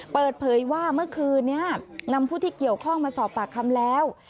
เปิดเผยว่าเมื่อคืนนี้นำผู้ที่เกี่ยวข้องมาสอบปากคำแล้ว